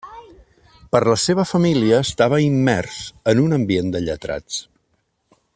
Per la seva família estava immers en un ambient de lletrats.